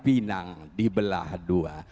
inang dibelah dua